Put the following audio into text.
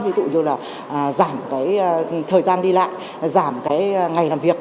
ví dụ như là giảm cái thời gian đi lại giảm cái ngày làm việc